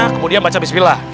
kemudian baca bismillah